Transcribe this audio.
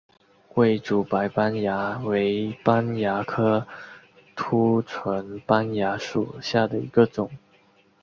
桂竹白斑蚜为斑蚜科凸唇斑蚜属下的一个种。